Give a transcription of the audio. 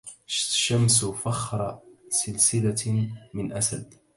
شمس فخر سلسلت من أسد